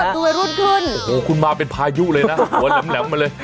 ดูวัยรุ่นขึ้นโอ้โหคุณมาเป็นพายุเลยนะหัวแหลมมาเลย